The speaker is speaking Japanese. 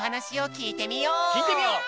きいてみよう！